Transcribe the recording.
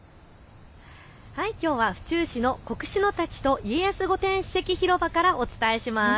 きょうは府中市の国司館と家康御殿史跡広場からお伝えします。